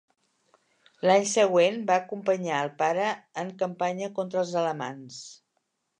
L'any següent va acompanyar al pare en campanya contra els alamans.